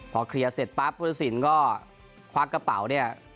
พอเคลียร์เสร็จปรับผู้สินก็ควักกะเป๋าเนี้ย